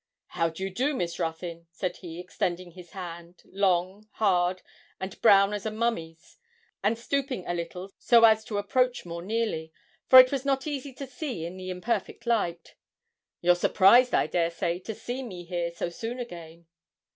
'How do you do, Miss Ruthyn?' said he, extending his hand, long, hard, and brown as a mummy's, and stooping a little so as to approach more nearly, for it was not easy to see in the imperfect light. 'You're surprised, I dare say, to see me here so soon again?'